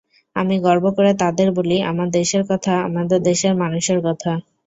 আমি গর্ব করে তাদের বলি আমার দেশের কথা আমাদের দেশের মানুষের কথা।